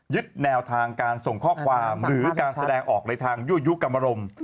แนวทางการส่งข้อความหรือการแสดงออกในทางยั่วยุกรรมรม